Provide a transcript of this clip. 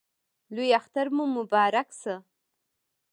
لوی اختر مو مبارک شه